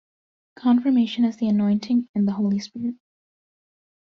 Confirmation is the anointing in the Holy Spirit.